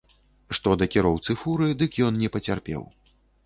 Што да кіроўцы фуры, дык ён не пацярпеў.